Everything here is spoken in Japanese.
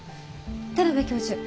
田邊教授